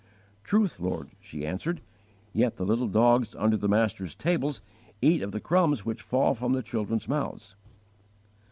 "* "Truth, Lord," she answered, "yet the little dogs under the master's tables eat of the crumbs which fall from the children's mouths!"